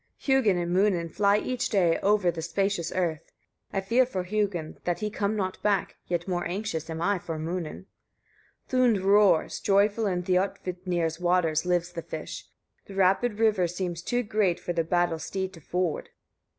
20. Hugin and Munin fly each day over the spacious earth. I fear for Hugin, that he come not back, yet more anxious am I for Munin. 21. Thund roars; joyful in Thiodvitnir's water lives the fish; the rapid river seems too great for the battle steed to ford.